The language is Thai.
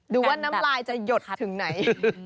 ดูว่าน้ำลายจะหยดถึงไหน